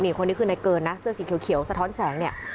นี่คนนี้คือนายเกินนะเสื้อสีเขียวสะท้อนแสงเนี่ย